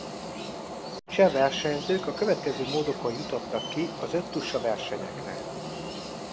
Cseh versenyzők a következő módokon jutottak ki az öttusa versenyekre.